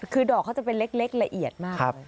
คือดอกเขาจะเป็นเล็กละเอียดมาก